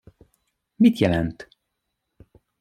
Mit jelent?